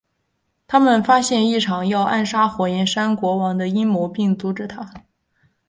他们发现一场要暗杀火焰国王的阴谋并阻止它。